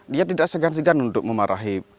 dia tidak segan segan untuk memarahi